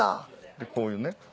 でこういうね。